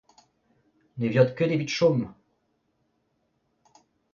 ne viot ket evit chom.